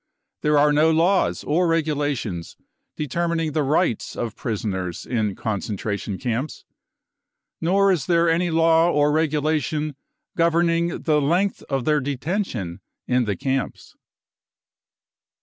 There are no laws or regulations determining the rights of prisoners in concentration camps. Nor is there any law or regulation governing the length of their detention in the camps.